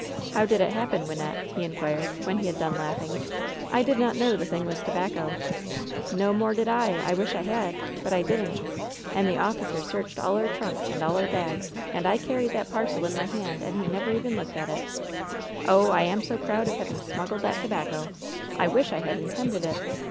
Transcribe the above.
"How did it happen, Wynnette ?" he inquired, when he had done laughing. "I did not know the thing was tobacco." "No more did 1 1 I wish I had I But I didn't. And the officer searched all our trunks, and all our bags, and I carried that parcel in my hand, and he never even looked at it I Oh I I am so proud of having smu^led that tobacco! I wish I had intended it!